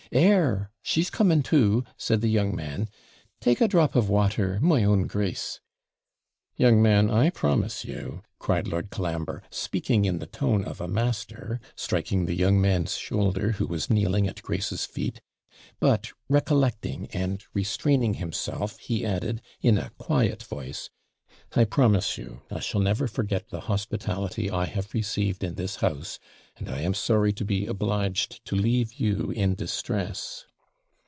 'Air! she's coming to,' said the young man 'Take a drop of water, my own Grace.' 'Young man, I, promise you,' cried Lord Colambre (speaking in the tone of a master), striking the young man's shoulder, who was kneeling at Grace's feet; but recollecting and restraining himself, he added, in a quiet voice 'I promise you I shall never forget the hospitality I have received in this house, and I am sorry to be obliged to leave you in distress.'